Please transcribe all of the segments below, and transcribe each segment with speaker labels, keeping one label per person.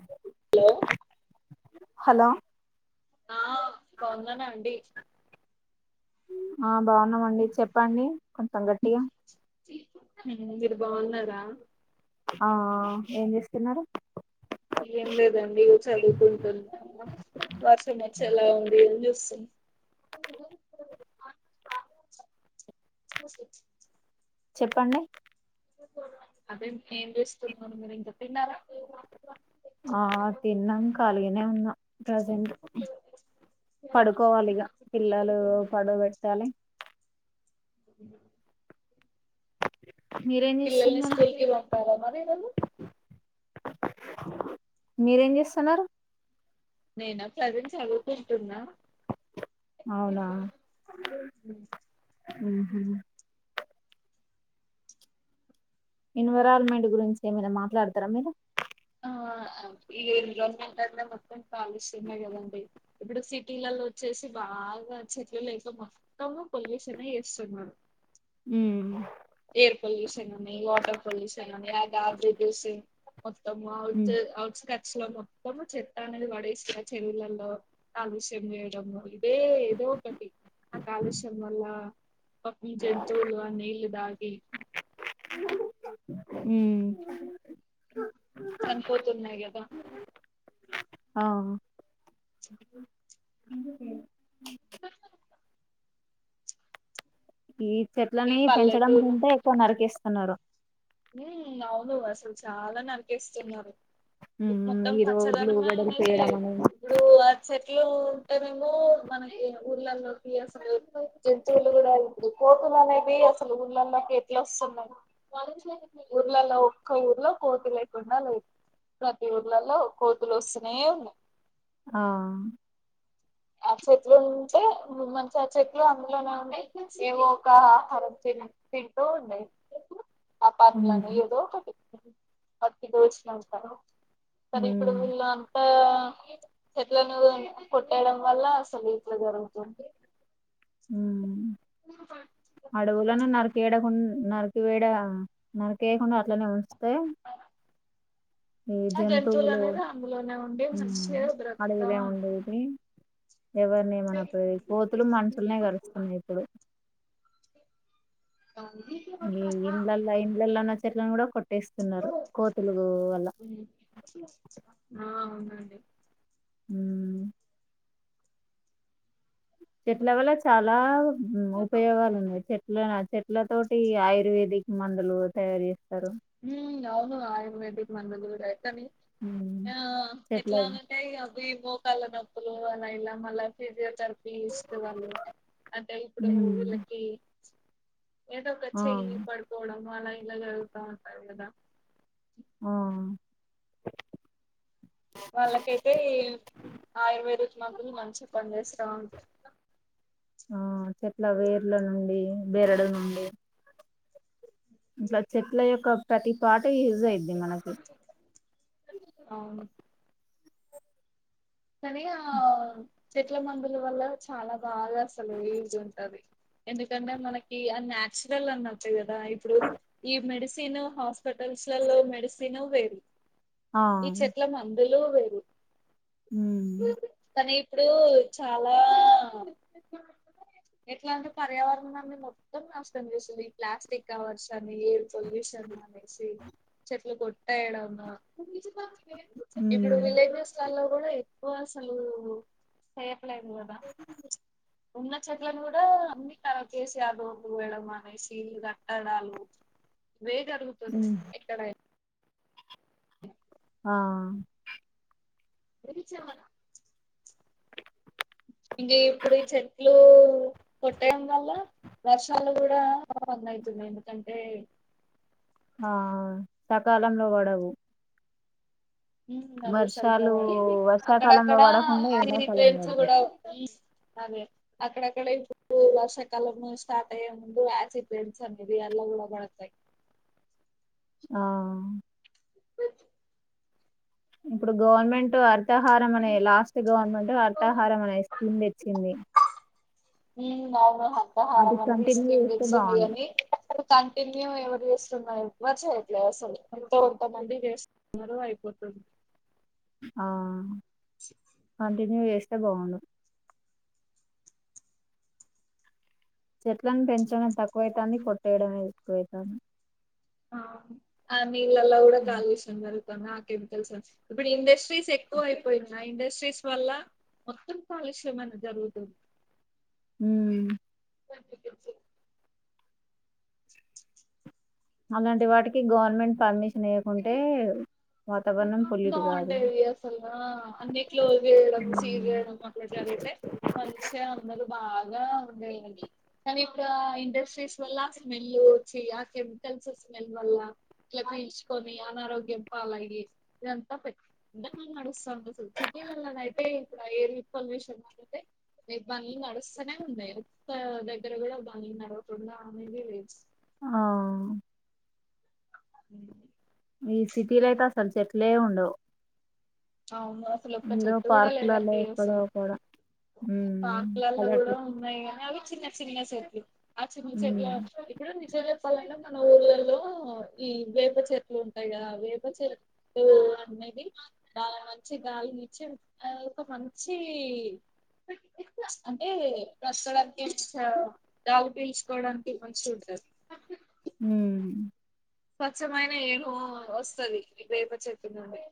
Speaker 1: అ
Speaker 2: hello
Speaker 1: hello
Speaker 2: ఆ [unintelligible] అండి
Speaker 1: ఆ బాగున్నామండి చెప్పండి కొంచం గట్టిగా
Speaker 2: మీరు బాగున్నారా
Speaker 1: ఆ ఏం చేస్తున్నారు
Speaker 2: ఏం లేదండి చదువుకుంటున్నా వర్షం వచ్చేలా ఉంది ఏని చేస్తం
Speaker 1: చెప్పండి
Speaker 2: అదే ఏం చేస్తున్నారు మీరు ఈక తిన్నారా
Speaker 1: ఆ తిన్నాం కలిగనే ఉన్నాం ప్రజెంట్ పడుకోవాలి ఇగ పిల్లలు పడ పెట్టాలి
Speaker 2: డోర్ సౌండ్
Speaker 1: మీరేం
Speaker 2: పిల్లల్ని
Speaker 1: చేస్తున్నారు
Speaker 2: స్కూల్ కి పంపారా ఈరోజు
Speaker 1: మీరేం చేస్తున్నారు
Speaker 2: నేనా ప్రజెంట్ చదువుకుంటున్న
Speaker 1: అవునా ఉ హు ఎన్వరాల్మెంట్ గురించి ఏమైనా మాట్లాడతారా మీరు
Speaker 2: ఆ ఈ ఎన్న్మెట్ అ మొత్తం కాలుష్యం కదండి ఇప్పుడు సిటీలలో వచ్చే బాగా చెట్లు లేక మొత్తము పొల్యూషన్ చేస్తున్నారు
Speaker 1: ఉ
Speaker 2: ఎయిర్ పొల్యూషన్ అని వాటర్ పొల్యూషన్ మొత్తం అవుట్ కట్ అలో మొత్తము చెత్త అనేది పడేస్త చెరువులలో కాలుష్యం చేయడము ఇదేదో ఏదో ఒకటి కాలుష్యం వల్ల పాపం జంతువులు నీళ్లు తాగి
Speaker 1: ఉ
Speaker 2: చనిపోతున్నాయి కదా
Speaker 1: ఆ ఈ
Speaker 2: ఈ
Speaker 1: చెట్లని పెంచడం
Speaker 2: పల్లెటూరు
Speaker 1: కింటే ఎక్కువ నరికేస్తున్నారు
Speaker 2: ఉ అవును అసలు చాలా నరికేస్తున్నారు
Speaker 1: ఉమ్
Speaker 2: మొత్తం
Speaker 1: ఈ రోడ్లు
Speaker 2: పచ్చదనం
Speaker 1: వెడల్పు
Speaker 2: అనేది
Speaker 1: చేయడం
Speaker 2: లేదు
Speaker 1: అనేది
Speaker 2: ఇప్పుడు చెట్లు ఉంటేేమో మనకి ఊర్లలో అసలు జంతువులు కూడా కోతులనేవి ఊళ్ళల్లోకి ఎట్లా వస్తున్నాయి ఊర్లలో ఒక్క ఊర్లో కోతి లేకుండా లేదు ప్రతి ఊర్లలో కోతులు వస్తనే ఉన్నాయి
Speaker 1: ఆ
Speaker 2: ఆ చెట్లు ఉంటే మంచి ఆ చెట్లు అందులోనే ఉండి ఏవో ఒక ఆహారం తింటూ ఉంటాయి నా ఫార్ములా అని
Speaker 1: ఉమ్
Speaker 2: ఏదో ఒకటి వారికి తోచినంత మరి ఇప్పుడు
Speaker 1: ఉమ్
Speaker 2: వీళ్ళు అంతా చెట్లను చేయడం వల్ల అసలు ఇట్లా జరుగుతుంది
Speaker 1: ఉ అడవులోలను నరికేడకు నరికి వేడ నరకి వేయకుండా అట్లనే ఉంచుతే ఈ
Speaker 2: ఆ
Speaker 1: జంతువులు
Speaker 2: అనేది అందులోనే ఉండి మంచిగా బ్రతుకుతా
Speaker 1: అడవిలో ఉండేది ఎవరిని ఏమన
Speaker 2: ఉంటాయి
Speaker 1: పోవు మన కోతులు మనుషులనే కరు స్తున్నాయి ఇప్పుడు
Speaker 2: ఆ
Speaker 1: ఈ ఇంలల్ల ఇంలల్లా నా చెట్లన్ గూడా కొ పెట్టేస్తున్నారు కోతులు వల్ల
Speaker 2: అవునా అండి
Speaker 1: ఉ చెట్ల వల్ల చాలా ఉపయోగాలు ఉన్నాయి చెట్ల చెట్ల తోటి ఆయుర్వేదిక్ మందులు తయారు చేస్తారు
Speaker 2: ఉ అవును ఆయుర్వేదిక్ మందులు కూడా
Speaker 1: హ్మ్. చెట్ల
Speaker 2: ఎట్లా అని అంటే ఈ మోకాళ్ళ నొప్పులు ఫిజియోథెరపీ ఇస్తే వాళ్ళు అంటే ఇప్పుడు
Speaker 1: హ్మ్.
Speaker 2: వీళ్ళకి ఏదో ఒక
Speaker 1: ఆ!
Speaker 2: చెయ్యి పడుకోవడం అలా ఇలాగలుగుతా ఉంటారు కదా
Speaker 1: ఆ
Speaker 2: వాళ్ళకైతే ఈ ఆయుర్వేదిక్ మందులు మంచిగా పనిచేసిన టాన్
Speaker 1: చెట్లా వేర్ల నుండీ, బెరడు నుండి. ఇట్లా చెట్ల యొక్క ప్రతి పాట్ యూజ్ అయిద్ది మనకి.
Speaker 2: అవును కానీ ఆ చెట్ల మందుల వల్ల, చాలా బాగా అసలు యూజ్ ఉంటది. ఎందుకంటే మనకీ అ నాచురల్ అనట్టే గదా, ఇప్పుడు ఈ మెడిసిన్ హాస్ప. టల్స్లలో మెడిసిన్ వేరు,
Speaker 1: ఆ
Speaker 2: ఈ చెట్ల మందులు వేరు.
Speaker 1: ఊహ్
Speaker 2: కానీ ఇప్పుడూ చాలా ఎట్లా అంటే పర్యావరణాన్ని మొత్తం నాష్టం చేసింది, ఈ ప్లాస్టిక్ కవర్స్ అని ఎయిర్ పొల్యూషన్. [inaudible] అనేసి చెట్లు కొట్టేయడమూ ఇప్పుడూ
Speaker 1: ఉమ్,
Speaker 2: విలేజస్లల్లో కూడా ఎక్వ అసలూ టయట్లే గదా ఉన్న చెట్లను గూడా అన్ని కరాబ్ జేసి, [unintelligible] అనేసీ గట్టడాలు. వేట్ అడుగుతుంది
Speaker 1: ఉమ్,
Speaker 2: ఎక్కడై
Speaker 1: ఆ
Speaker 2: ఇరిచామనా ఇంగ ఇప్పుడు ఈ చెట్లూ కొట్టేయడం వల్లా వర్షాలు గూడా రన్ అయితున్నాయి ఎందుకంటే
Speaker 1: ఆ సకాలంలో వడవు వర్షాకాలంలో
Speaker 2: అక్కడక్కడా
Speaker 1: పడకుండా
Speaker 2: [unintelligible]
Speaker 1: ఎండాకాలంలో
Speaker 2: ల్సో
Speaker 1: పడుతుంది
Speaker 2: గూడా అదే అక్కడక్కడ ఇ [inaudible] డు వర్షాకాలము స్టార్ట్ అయ్యే ముందు ఆసిడ్ బేస్ [unintelligible] ల్ల గూడా [unintelligible]
Speaker 1: ఆ ఇప్పుడు గవర్నమెంట్ అ తహారం అనే లాస్ట్ గవర్నమెంట్ అర్థాహారం అనే స్కీమ్ దెచ్చింది.
Speaker 2: ఊహ్ అవును
Speaker 1: అది
Speaker 2: హర్థహారం అని
Speaker 1: కంటిన్యూ
Speaker 2: స్కీం
Speaker 1: చేస్తే
Speaker 2: దెచ్చింది
Speaker 1: బాగుండు
Speaker 2: అని [inaudible] టిన్యం ఎవరు జేస్తున్నారు ఎవ్వర్ చేయట్లే అస్సలు, ఎంతో ఒక్క మంది జేస్ [inaudible] న్నారు అయిపోతుంది.
Speaker 1: ఆ కంటిన్యూ ఏస్తే బాగుండు చెట్లను పెంచడం తక్కువైతాంది, కొట్టేయడమే ఎక్కువైతాంది.
Speaker 2: ఆ ఆ నీళ్ళల్లో గూడా కాలుష్యం జరుగుతాంది, ఆ కెమికల్స్. ఇప్పుడు ఇండస్ట్రీస్ ఎక్కువ అయిపోయినాయ్. ఇండస్ట్రీస్ వల్ల మొత్తం కాలుష్యం అనేది జరుగుతుంది
Speaker 1: ఊ అలాంటి వాటికి గవర్నమెంట్ పర్మిషన్ ఇయకుంటే
Speaker 2: బాగుంటది అసలు ఆ అన్ని క్లోజ్ జేయడం, సీజ్
Speaker 1: ఉమ్.
Speaker 2: జేయడం, అట్లా జరుగుతే. మంచిగ అందరు బాగ్ బాగా ఉన్నాయండి కానీ ఇప్పుడు ఆ ఇండస్ట్రీస్ వల్ల స్మెల్ వచ్చి ఆ కెమికల్స్ వస్ [unintelligible] అనారోగ్యం పాలయ్యి. ఇదంతా పెద్దగ నడుససాంది అసలు, సిటీలలల్లనయితే ఇప్పుడు ఎయిర్ పొల్యూషన్ అ అయితే. నీ బండ్లు నడుస్సనే ఉన్నయ్, ఒక్క దగ్గర గూడా బండ్లు నడవకుండా అనేది లేదు.
Speaker 1: ఆ
Speaker 2: [inaudible]
Speaker 1: ఈ సిటీలో అయితే అసలు చెట్లే ఉండవు
Speaker 2: అవును అసలు ఒక్క
Speaker 1: ఇందులో
Speaker 2: చెట్టు గూడా
Speaker 1: పార్కులలో
Speaker 2: లేదండి
Speaker 1: ఎక్కడో
Speaker 2: అస్సలు
Speaker 1: అక్కడ హ్మ్
Speaker 2: పార్క్ లల్లో
Speaker 1: పల్లెటూ
Speaker 2: గూడా ఉన్నాయ గాని అవి చిన్న చిన్న చెట్లు, ఆ చిన్న చెట్లు
Speaker 1: హ్మ్
Speaker 2: ఇప్పుడు నిజాల్ ఎప్పాలన్నా. మన ఊర్లల్లో ఈ వేప చెట్లు ఉంటాయి గదా, వేప చెట్టు అనేది. డాలి మంచి గాలినిచ్చి ఆ ఒక మంచీ అంటే బ్రత్కడానికి ఆ గాలి పీల్చుకోడానికి మంచిగ ఉంటది. అ [unintelligible]
Speaker 1: ఉమ్
Speaker 2: స్వచ్ఛమైన ఎయిరు వస్తది వేప చెట్టు నుండి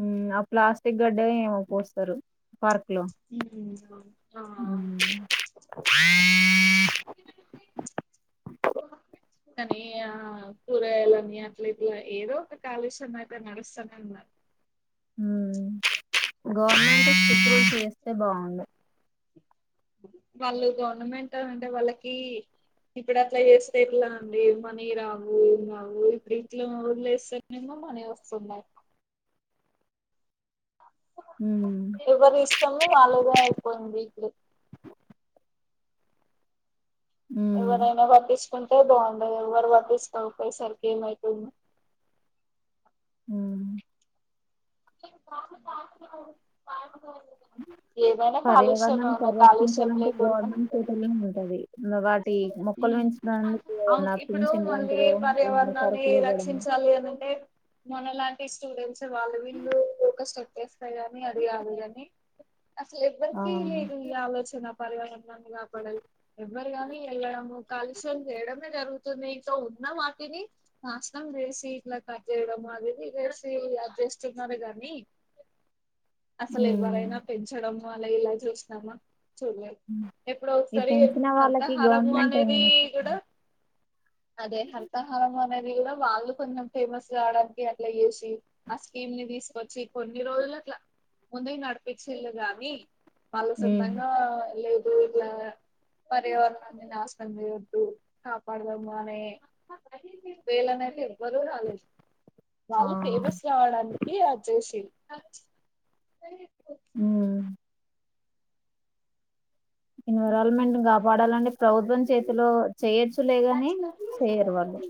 Speaker 1: మ్మ్ ఆ ప్లాస్టిక్ గడ్డే ఏమో కోస్తరు పార్క్ లో
Speaker 2: ఉ అవును ఆ
Speaker 1: ఉమ్
Speaker 2: [unintelligible] కానీ ఆ కూరగాయాలని అట్లా ఇట్లా ఏదో ఒక కాలుష్యం అయితే నడుస్తానే ఉన్నాద్
Speaker 1: ఉమ్ గవర్నమెంట్ స్ట్రిక్ట్ రూల్స్ చేస్తే బాగుండు
Speaker 2: వాళ్ళు గవర్నమెంట్ అంటే వాళ్ళకి ఇప్పుడు అట్లా చేస్తే ఎట్లా అండి మనీ రావు ఏం రావు, ఇప్పుడు ఇట్ల వదిలేస్తేనేమో మనీ వస్తున్నాయ్
Speaker 1: హ్మ్
Speaker 2: ఎవరి ఇష్టము వాళ్ళదే అయిపోయింది ఇప్పుడు
Speaker 1: హ్మ్
Speaker 2: ఎవరైయినా పట్టిచ్ కుంటే బాగుండే ఎవరు పట్టించుకోక పోయి సరి గేమ్ అయిపోయిన్
Speaker 1: హ్మ్
Speaker 2: ఏమైనా కాలుష్యమే
Speaker 1: పర్యావరణాన్ని
Speaker 2: ఉన్నా కాలుష్యం
Speaker 1: పరిరక్షించాలంటే
Speaker 2: లేకుండా
Speaker 1: గవర్నమెంట్ చేతుల్లోనే ఉంటది. మ వాటి మొక్కలు పెంచడానికి ఏదన్నా
Speaker 2: ఇప్పుడు
Speaker 1: పింఛన్
Speaker 2: మళ్ళీ
Speaker 1: లాంటిదో ఏమన్నా
Speaker 2: పర్యావరణాన్ని
Speaker 1: సరుకులు ఇవ్వడం
Speaker 2: రక్షించ వాలి అనినుంటే మనలాంటి స్టూడెంట్స్ వాళ్ళు వీళ్ళు ఒక స్టెప్ ఎస్తే గాని అది కాదు కానీ అసలు
Speaker 1: ఆ
Speaker 2: ఎవ్వరికీ లేదు ఈ ఆలోచన పర్యావరనాన్ని కాపడాలి గన్ కాని వెళ్ళడము కాలుష్యము చేయడమే జరుగుతుంది, సో ఉన్న వాటిని నాశనం చేసి. ఇట్లా కట్ కా చేేయడమూ అవి ఇవి చేసి అద్ చేస్తున్నారూ కానీ అసలు
Speaker 1: హ్మ్
Speaker 2: ఎవరైనా పెంచడము అలా ఎలా జూసినామా
Speaker 1: హ్మ్.
Speaker 2: ఎప్పుడో
Speaker 1: ఈ
Speaker 2: ఒకసారి
Speaker 1: పెంచిన వాళ్ళకి
Speaker 2: హర్తహారము
Speaker 1: గవర్నమెంట్
Speaker 2: అనేది
Speaker 1: ఏమైనా
Speaker 2: కూడ అదే హర్తాహారం అనేది కూడా వాళ్ళు కొంచెం ఫేమస్ కావడానికి అట్లా చేసి ఆ స్కీమ్ ని తీసుకొచ్చి కొన్ని రోజులు అట్లా ముందుకి నడిపిచ్చిళ్ళుు గాని వాళ్ళు
Speaker 1: హ్మ్
Speaker 2: సొంతగా లేద్ దూర్లా పర్యావరనాన్నీ నాశనం చేయొద్దు కాపాడుదము అనే వేలనే
Speaker 1: ఆ
Speaker 2: వాళ్ళు ఫేమస్ కావడానికి అద్ చేేసి
Speaker 1: హూ ఎన్విరాల్మెంట్ కాపాడాలంటే ప్రభుత్వం చేతిలో చేయొచ్చులే కానీ చేయరు వాళ్ళు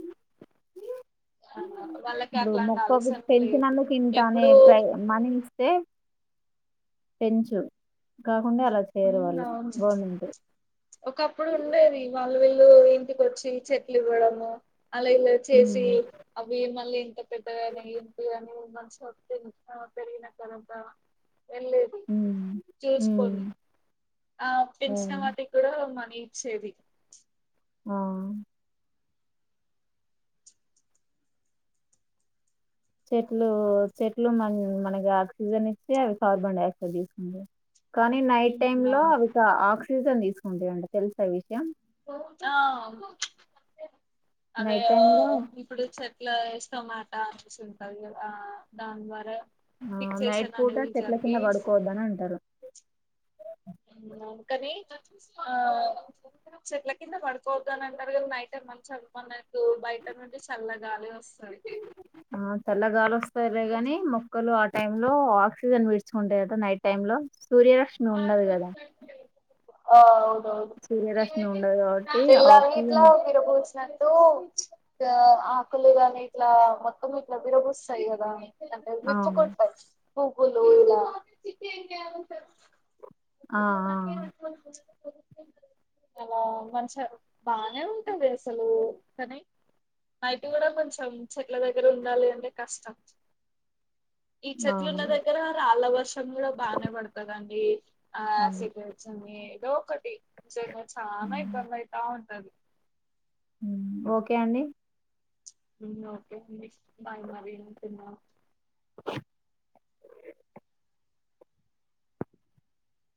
Speaker 2: ఆ వాళ్ళకి
Speaker 1: ఇప్పుడు
Speaker 2: అట్లాంటి
Speaker 1: మొక్కకు
Speaker 2: ఆలోచనలు లేవు
Speaker 1: పెంచినందుకు ఇంత అనే
Speaker 2: ఎప్పుడు
Speaker 1: ప్రై మనీ ఇస్తే పెంచు కాకుంటే అలా చేయరు వాళ్ళు
Speaker 2: అవును
Speaker 1: గవర్నమెంట్
Speaker 2: ఒకప్పుడు ఉండేది వాళ్ళు వీళ్ళు ఇంటికి వచ్చి చెట్లు ఇవ్వడము అలా ఇలా చేసి
Speaker 1: హ్మ్
Speaker 2: అవి మళ్ళీ ఎంత పెద్దగానీ ఏంటి కాని మనసొప్పిన్ ఆ పెరిగినకదంతా వెళ్ళేది
Speaker 1: హ్మ్ హ్మ్
Speaker 2: చూసుకొని ఆ పెంచిన
Speaker 1: ఉమ్,
Speaker 2: వాటికి కూడా మనీ ఇచ్చేది
Speaker 1: ఆ చెట్లు చెట్లు మన్ మనకి ఆక్సిజన్ ఇచ్చి అవి కార్బన్ డై ఆక్సైడ్ తీసుకుంది కానీ నైట్ టైమ్
Speaker 2: ఉమ్,
Speaker 1: లో అవి ఇక ఆక్సిజన్ తీసుకుంటాయంట తెలుసా ఈ విషయం
Speaker 2: ఆ అవే
Speaker 1: నైట్ టైమ్ లో
Speaker 2: ఇప్పుడు చెట్ల వయస్ టొమాటా అని జూసి ఉంటది కదా ఆ దాని ద్వారా
Speaker 1: ఆ నైట్
Speaker 2: ఫిక్సేషన్
Speaker 1: పూట
Speaker 2: అనేది
Speaker 1: చెట్ల కింద
Speaker 2: జరిగి
Speaker 1: పడుకోవద్దు అని అంటారు.
Speaker 2: మ్మ్ కాని ఆ చెట్ల కింద పడుకోవద్దని అంటారు కదా నైట్ ఇప్పుడు మనం చదువుకునేటప్పుడు బయట నుండి చల్ల గాలి వస్తది
Speaker 1: ఆ చల్లగాలి వస్తది లే గాని మొక్కలు ఆ టైం లో ఆక్సిజన్ విడుచుకుంటాయి గదా నైట్ టైం లో సూర్యరశ్మి ఉండదు గదా
Speaker 2: ఆ అవునవును
Speaker 1: ఉండదు కాబట్టి ఆక్సిజన్
Speaker 2: డు ఇగ ఆకులు గాని ఇట్లా మొత్తం ఇట్లా విరబుస్తాయి గదా
Speaker 1: ఆ
Speaker 2: విప్పుకుంటాయి పువ్వులు
Speaker 1: ఆ ఆ
Speaker 2: [inaudible] చాలా మంచ్ బానే ఉంటది అసలు కానీ నైట్ గూడా కొంచెం చెట్ల దగ్గర ఉండాలి అంటే కష్టం. ఈ
Speaker 1: ఆ
Speaker 2: చెట్లున్న దగ్గర రాళ్ళ వర్షం కూడా బానే పడతదండి ఆ [unintelligible] ఏదో ఒకటి నిజంగా చానా ఇబ్బంది అయితా ఉంటది.
Speaker 1: ఉమ్ ఓకే అండి
Speaker 2: ఉమ్ ఓకే అండి బాయ్ మరి ఉంటున్నా